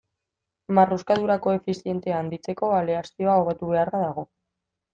Marruskadura koefizientea handitzeko aleazioa hobetu beharra dago.